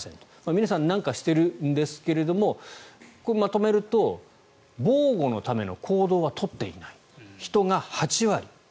皆さん何かしているんですがまとめると防護のための行動は取っていない人が８割。